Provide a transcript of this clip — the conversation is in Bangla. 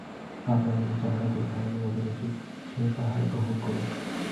আমরা বলি, যাহার যে-ধর্মে অভিরুচি, সে তাহাই গ্রহণ করুক।